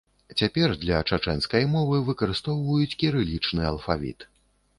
Цяпер для чачэнскай мовы выкарыстоўваюць кірылічны алфавіт.